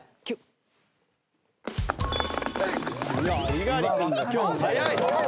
猪狩君が今日早い。